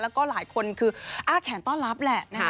แล้วก็หลายคนคืออ้าแขนต้อนรับแหละนะคะ